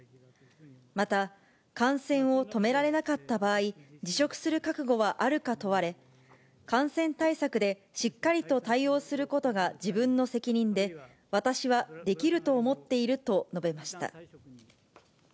また、感染を止められなかった場合、辞職する覚悟はあるか問われ、感染対策でしっかりと対応することが自分の責任で、私はできると思っていると述べました。